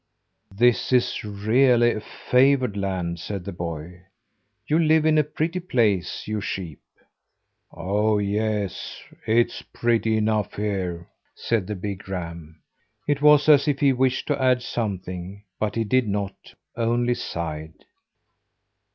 "This is really a favoured land," said the boy. "You live in a pretty place, you sheep." "Oh, yes! it's pretty enough here," said the big ram. It was as if he wished to add something; but he did not, only sighed.